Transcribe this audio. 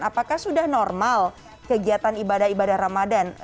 apakah sudah normal kegiatan ibadah ibadah ramadan